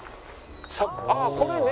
あっこれね。